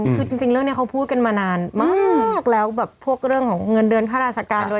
คือจริงเรื่องนี้เขาพูดกันมานานมากแล้วแบบพวกเรื่องของเงินเดือนค่าราชการด้วย